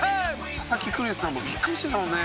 「佐々木クリスさんもビックリしてたもんね」